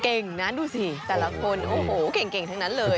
เก่งนะดูสิแต่ละคนโอ้โหเก่งทั้งนั้นเลย